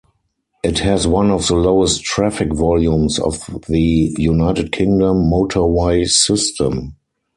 It has one of the lowest traffic volumes of the United Kingdom motorway system.